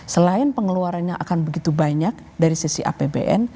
selain pengeluarannya akan begitu banyak dari sisi apbn